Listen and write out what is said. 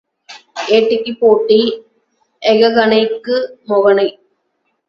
ஏட்டிக்குப் போட்டி, எகனைக்கு மொகனை.